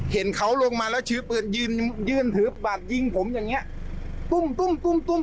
เห็นเขาลงมาแล้วชื้อปืนยืนถือบรรดิ์ยิงผมอย่างนั้น